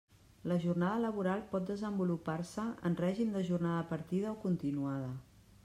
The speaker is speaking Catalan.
La jornada laboral pot desenvolupar-se en règim de jornada partida o continuada.